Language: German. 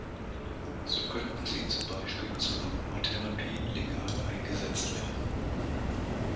So können sie zum Beispiel zur Aromatherapie legal eingesetzt werden.